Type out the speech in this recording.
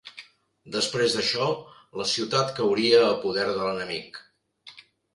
Després d'això, la ciutat cauria a poder de l'enemic.